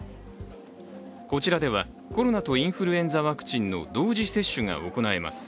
こちらでは、コロナとインフルエンザワクチンの同時接種が行えます。